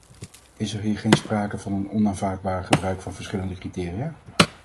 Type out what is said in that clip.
Is er hier geen sprake van een onaanvaardbaar gebruik van verschillende criteria?